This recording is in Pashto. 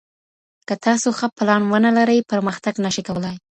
که تاسو ښه پلان ونه لرئ پرمختګ نشئ کولای.